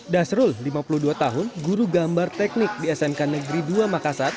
dasrul lima puluh dua tahun guru gambar teknik di smk negeri dua makassar